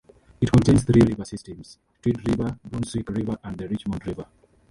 It contains three river systems, Tweed River, Brunswick River and the Richmond River.